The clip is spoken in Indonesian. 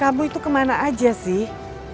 kamu itu kemana aja sih